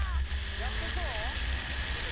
やってそう？